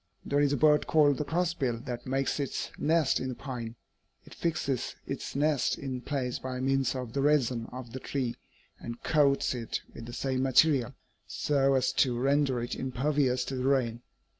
"'There is a bird called the crossbill that makes its nest in the pine. It fixes its nest in place by means of the resin of the tree and coats it with the same material, so as to render it impervious to the rain.